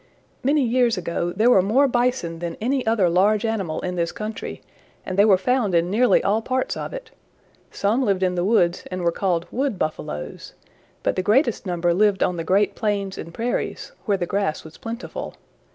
"Many years ago there were more Bison than any other large animal in this country, and they were found in nearly all parts of it. Some lived in the woods and were called Wood Buffaloes, but the greatest number lived on the great plains and prairies, where the grass was plentiful.